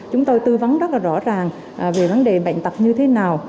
chúng tôi tư vấn rất là rõ ràng về vấn đề bệnh tật như thế nào